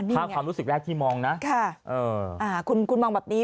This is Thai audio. ภาพความรู้สึกแรกที่มองนะค่ะเอออ่าคุณคุณมองแบบนี้